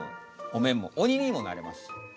お面も鬼にもなれますし。